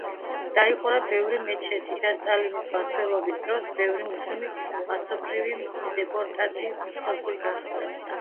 დაიხურა ბევრი მეჩეთი და სტალინის მმართველობის დროს, ბევრი მუსლიმი მასობრივი დეპორტაციის მსხვერპლი გახდა.